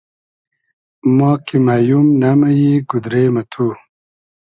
ما کی مئیوم, نئمئیی گودرې مہ تو